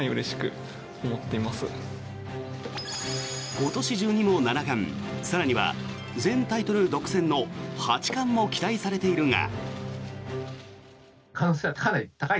今年中にも七冠更には全タイトル独占の八冠も期待されているが。